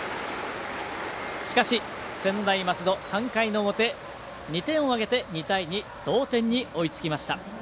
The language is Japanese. しかし、専大松戸３回の表、２点を挙げて２対２の同点に追いつきました。